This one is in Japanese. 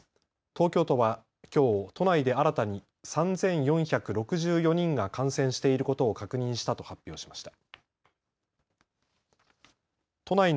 東京都はきょう都内で新たに３４６４人が感染していることを確認したと発表しました。